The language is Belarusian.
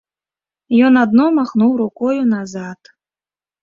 Ён адно махнуў рукою назад.